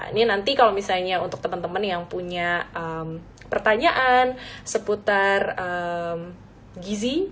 ini nanti kalau misalnya untuk teman teman yang punya pertanyaan seputar gizi